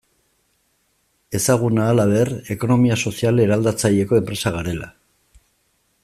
Ezaguna, halaber, ekonomia sozial eraldatzaileko enpresa garela.